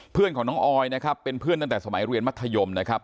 เพื่อนของน้องออยนะครับเป็นเพื่อนตั้งแต่สมัยเรียนมัธยมนะครับ